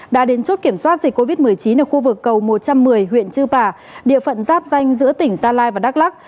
đã đến chốt kiểm soát dịch covid một mươi chín ở khu vực cầu một trăm một mươi huyện chư pả địa phận giáp danh giữa tỉnh gia lai và đắk lắc